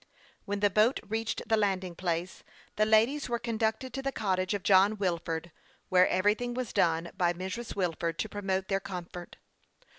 When the boat reached the landing place, the ladies were conducted to the cottage of John Wilford, where everything was done by Mrs. Wilford to promote their comfort.